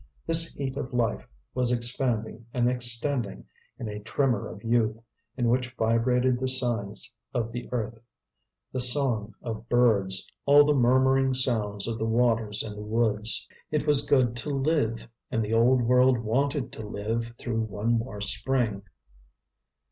This heat of life was expanding and extending in a tremor of youth, in which vibrated the sighs of the earth, the song of birds, all the murmuring sounds of the waters and the woods. It was good to live, and the old world wanted to live through one more spring.